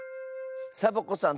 サボ子さん